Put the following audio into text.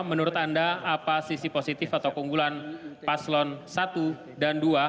menurut anda apa sisi positif atau keunggulan paslon satu dan dua